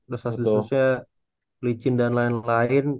resas resesnya licin dan lain lain